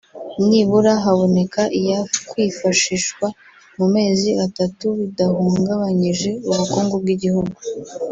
nibura haboneka iyakwifashishwa mu mezi atatu bidahungabanyije ubukungu bw’igihugu